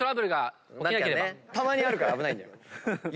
たまにあるから危ないんだよ。